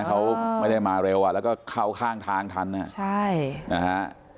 เขาไม่ได้มาเร็วอ่ะแล้วก็เข้าข้างทางทันใช่นะฮะ